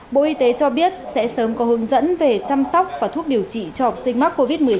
bộ y tế cho biết sẽ sớm có hướng dẫn về chăm sóc và thuốc điều trị cho học sinh mắc covid một mươi chín